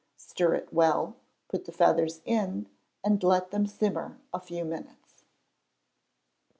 Stir it well, put the feathers in, and let them simmer a few minutes.